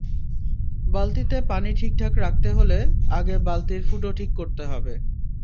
বালতিতে পানি ঠিকঠাক রাখতে হলে, আগে বালতির ফুটো ঠিক করতে হবে।